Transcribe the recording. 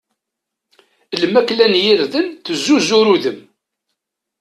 Lmakla n yirden tezzuzur udem.